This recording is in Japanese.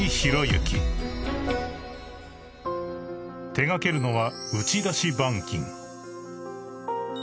［手掛けるのは］